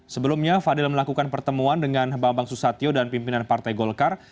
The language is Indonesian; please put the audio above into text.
sebelumnya fadil melakukan pertemuan dengan bambang susatyo dan pimpinan partai golkar